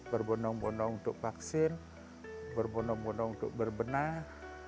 berbondong bondong untuk vaksin berbondong bondong untuk berbenah